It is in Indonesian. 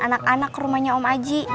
anak anak rumahnya om aji